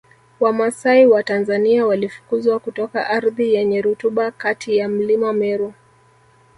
Wamasai wa Tanzania walifukuzwa kutoka ardhi yenye rutuba kati ya Mlima Meru